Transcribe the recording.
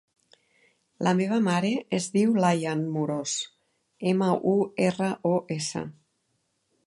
La meva mare es diu Layan Muros: ema, u, erra, o, essa.